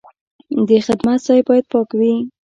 د خدمت ځای باید پاک وي.